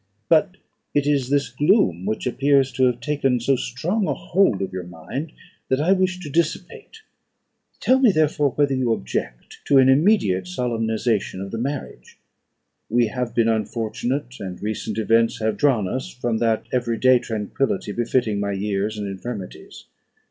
But it is this gloom which appears to have taken so strong a hold of your mind, that I wish to dissipate. Tell me, therefore, whether you object to an immediate solemnisation of the marriage. We have been unfortunate, and recent events have drawn us from that every day tranquillity befitting my years and infirmities.